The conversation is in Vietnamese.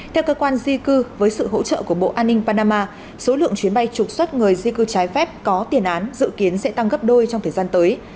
theo cơ quan di cư với sự hỗ trợ của bộ an ninh panama số lượng chuyến bay trục xuất người di cư trái phép có tiền án dự kiến sẽ tăng gấp đôi trong thời gian tới